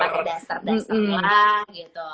pakai daster daster lah gitu